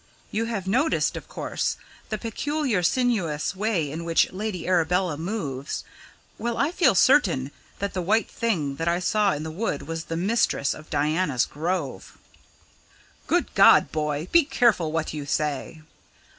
You have noticed, of course, the peculiar sinuous way in which Lady Arabella moves well, I feel certain that the white thing that I saw in the wood was the mistress of Diana's Grove!" "Good God, boy, be careful what you say."